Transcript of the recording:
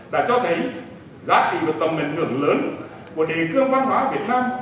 đã cho thấy giá trị của tầm ảnh hưởng lớn của đề cương văn hóa việt nam